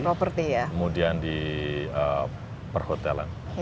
kemudian di perhotelan